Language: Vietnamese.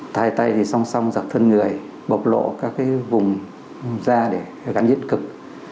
thái tay thì song song giọt thân người bộc lộ các cái vùng da để gắn nhiễn cực